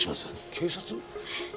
警察？